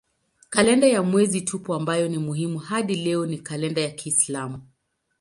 Kalenda ya mwezi tupu ambayo ni muhimu hadi leo ni kalenda ya kiislamu.